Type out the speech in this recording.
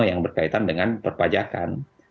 yang berkaitan dengan perpajakan